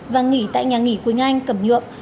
và nghỉ tại nhà nghỉ quỳnh anh cẩm nhượng